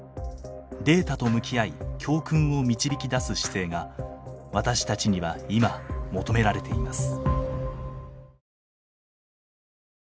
データと向き合い教訓を導き出す姿勢が私たちには今求められています。